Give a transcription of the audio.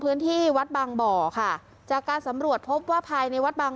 พื้นที่วัดบางบ่อค่ะจากการสำรวจพบว่าภายในวัดบาง